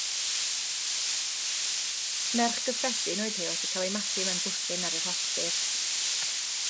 Merch gyffredin oedd hi wedi cael ei magu mewn bwthyn ar y rhostir.